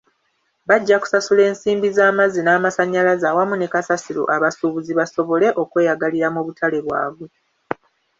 Bajja kusasula ensimbi z'amazzi n'amasannyalaze awamu ne Kasasiro abasuubuzi, basobole okweyagalira mu butale bwabwe.